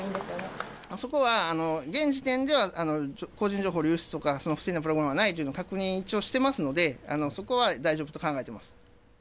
そこは現時点では、個人情報流出とか不正なプログラムはないというのは、確認、一応してますので、そこは大丈夫と考えてます。